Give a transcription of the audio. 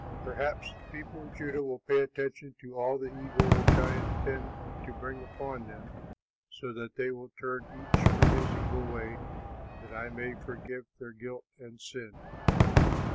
Perhaps the people of Judah will pay attention to all the evil which I intend to bring upon them, so that they will turn each from his evil way, that I may forgive their guilt and sin."